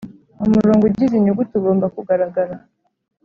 Umurongo ugize inyuguti ugomba kugaragara